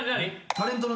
タレントの。